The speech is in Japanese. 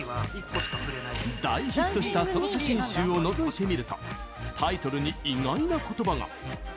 大ヒットしたソロ写真集をのぞいてみるとタイトルに、意外なことばが。